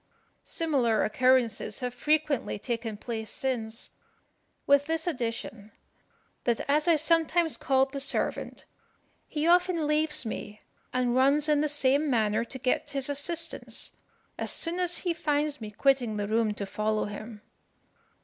"Similar occurrences have frequently taken place since, with this addition, that as I sometimes called the servant, he often leaves me and runs in the same manner to get his assistance, as soon as he finds me quitting the room to follow him.